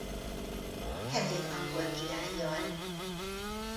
Henrik angol királlyal.